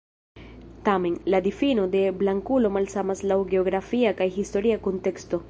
Tamen, la difino de "blankulo" malsamas laŭ geografia kaj historia kunteksto.